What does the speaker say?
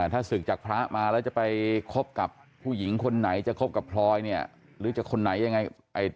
ถ้าศึกจากพระมาแล้วจะไปคบกับผู้หญิงคนไหนจะคบกับพลอยเนี่ยหรือจะคนไหนยังไง